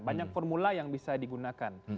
banyak formula yang bisa digunakan